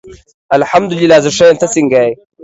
الحمد الله زه ښه یم ته څنګه یی